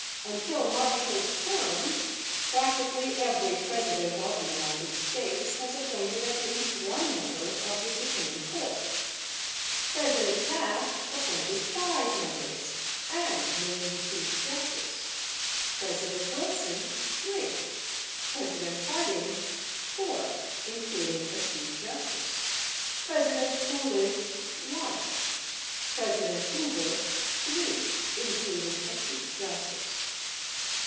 Until my first term practically every President of the United States has appointed at least one member of the Supreme Court. President Taft appointed five members and named a Chief Justice; President Wilson, three; President Harding, four, including a Chief Justice; President Coolidge, one; President Hoover, three, including a Chief Justice.